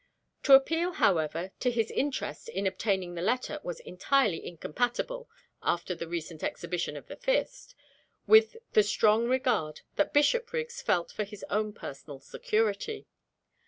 To appeal, however, to his interest in obtaining the letter was entirely incompatible (after the recent exhibition of his fist) with the strong regard which Bishopriggs felt for his own personal security.